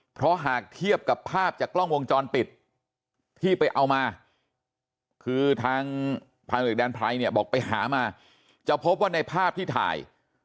เพราะหากเทียบกับภาพจากกล้องวงจรปิดที่ไปเอามาคือทางพันเอกแดนไพรเนี่ยบอกไปหามาจะพบว่าในภาพที่ถ่าย